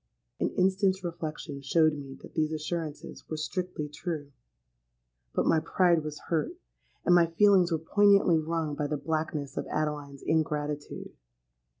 '—An instant's reflection showed me that these assurances were strictly true. But my pride was hurt, and my feelings were poignantly wrung by the blackness of Adeline's ingratitude.